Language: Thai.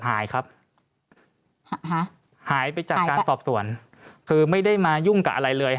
หายครับหายไปจากการสอบสวนคือไม่ได้มายุ่งกับอะไรเลย